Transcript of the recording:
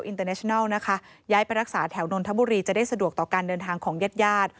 อินเตอร์เนชนัลนะคะย้ายไปรักษาแถวนนทบุรีจะได้สะดวกต่อการเดินทางของญาติญาติ